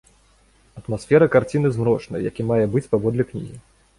Атмасфера карціны змрочная, як і мае быць паводле кнігі.